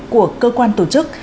của cơ quan tổ chức